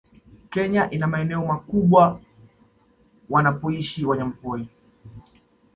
Kenya ina maeneo makubwa wanapoishi wanyamapori